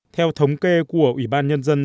theo thống kê của ủy ban nhân dân